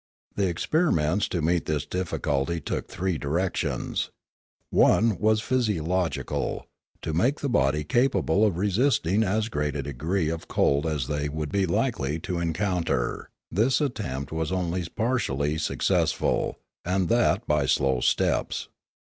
The experiments to meet this difficulty took three directions. One was physiological, — to make the body capable of resisting as great a degree of cold as they would be likely to encounter; this attempt was only partially successful, and that by slow steps.